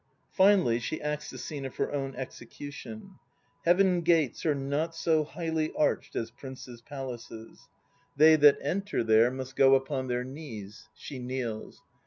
Finally she acts the scene of her own execution: Heaven gates are not so highly arched As princes' palaces; they that enter there INTRODUCTION 29 Must go upon their knees. (She kneels.)